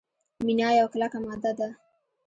مینا یوه کلکه ماده ده.